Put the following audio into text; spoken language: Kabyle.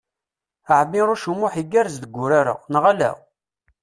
Ɛmiṛuc U Muḥ igerrez deg urar-a, neɣ ala?